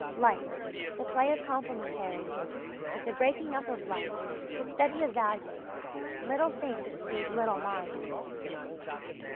Light, the play of complementaries, the breaking up of light, the study of values! little things please little minds!